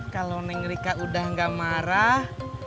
kalau neng rika udah gak marah